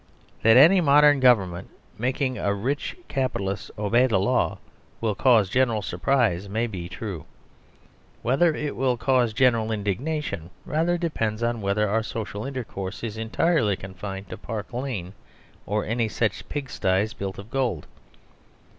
That any modern Government making a very rich capitalist obey the law will cause general surprise, may be true. Whether it will cause general indignation rather depends on whether our social intercourse is entirely confined to Park Lane, or any such pigsties built of gold.